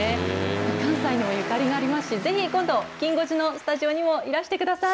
関西にもゆかりがありますし、ぜひ今度、きん５時のスタジオにもいらしてください。